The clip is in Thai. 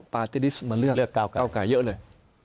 ปาร์ติกลิสต์มาเลือกก้าวกายเยอะเลย